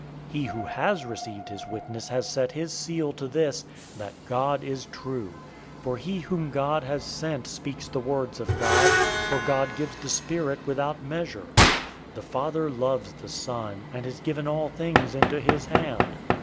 003:033 He who has received his witness has set his seal to this, that God is true. 003:034 For he whom God has sent speaks the words of God; for God gives the Spirit without measure. 003:035 The Father loves the Son, and has given all things into his hand.